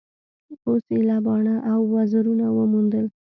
اوس ایله باڼه او وزرونه وموندل.